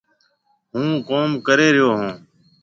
هُون ڪوم ڪري ريو هون۔